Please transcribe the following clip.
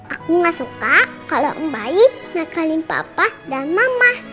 aku ga suka kalau mbak nakalin papa dan mama